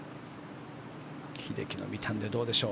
英樹のを見たんでどうでしょう。